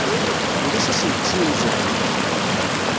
Ulac assenqes i yimezrawen.